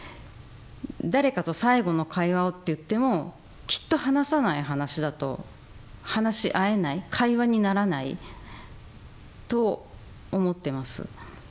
「誰かと最後の会話を」っていってもきっと話さない話だと話し合えない会話にならないと思ってます。